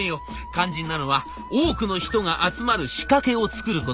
肝心なのは多くの人が集まる仕掛けを作ること。